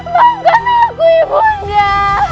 maafkan aku ibunda